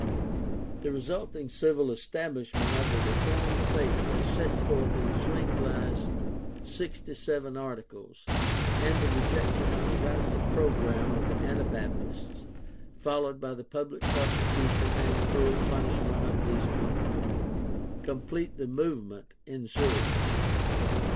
The resulting civil establishment of the Re formed faith as set forth in Zwingli's Sixty seven Articles and the rejection of the radical program of the Anabaptists, followed by the public prosecution and cruel punishment of these people, complete the movement In Zurich.